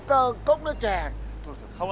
đi mua cho ông cắt nước chè về đây